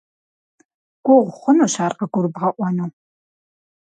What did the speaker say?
Гугъу хъунущ ар къыгурыбгъэӏуэну.